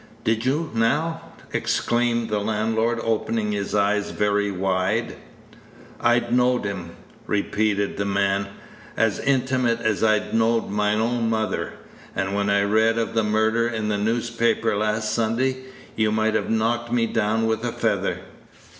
"Did you, now?" exclaimed the landlord, opening his eyes very wide. "I know'd him," repeated the man, "as intimate as I know'd my own mother; and when I read of the murder in the newspaper last Sunday, you might have knocked me down with a feather.